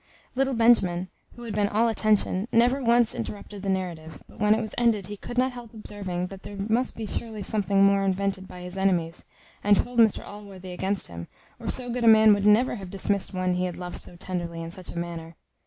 Little Benjamin, who had been all attention, never once interrupted the narrative; but when it was ended he could not help observing, that there must be surely something more invented by his enemies, and told Mr Allworthy against him, or so good a man would never have dismissed one he had loved so tenderly, in such a manner.